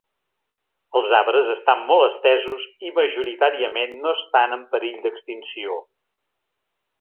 Els arbres estan molt estesos i majoritàriament no estan en perill d'extinció.